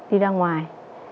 đi ra ngoài